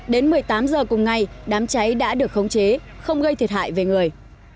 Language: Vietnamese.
đến một mươi tám h cùng ngày đám cháy đã được khống chế không gây thiệt hại về người